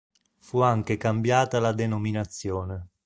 Fu anche cambiata la denominazione.